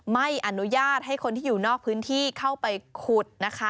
ไม่อนุญาตให้คนที่อยู่นอกพื้นที่เข้าไปขุดนะคะ